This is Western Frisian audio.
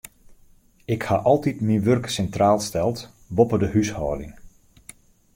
Ik ha altyd myn wurk sintraal steld, boppe de húshâlding.